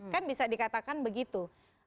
kan bisa dikatakan begitu